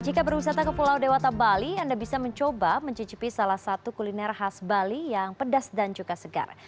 jika berwisata ke pulau dewata bali anda bisa mencoba mencicipi salah satu kuliner khas bali yang pedas dan juga segar